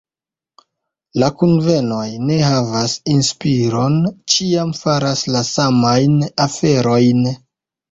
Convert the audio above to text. La kunvenoj ne havas inspiron, ĉiam faras la samajn aferojn.